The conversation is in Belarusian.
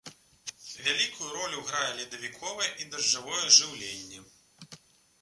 Вялікую ролю грае ледавіковае і дажджавое жыўленне.